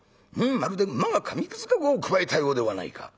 まるで馬が紙くず籠をくわえたようではないか』」。